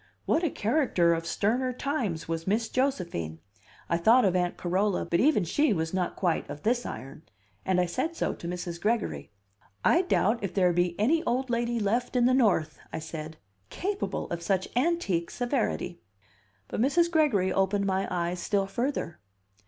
What a character of sterner times was Miss Josephine! I thought of Aunt Carola, but even she was not quite of this iron, and I said so to Mrs. Gregory. "I doubt if there be any old lady left in the North," I said, "capable of such antique severity." But Mrs. Gregory opened my eyes still further.